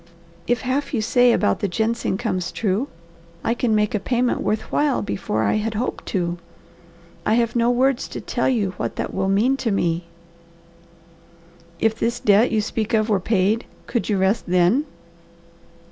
If half you say about the ginseng comes true, I can make a payment worth while before I had hoped to. I have no words to tell you what that will mean to me." "If this debt you speak of were paid, could you rest then?"